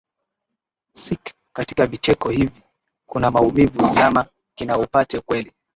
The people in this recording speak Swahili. sic katika vicheko hivi kuna maumivu zama kina upate ukweli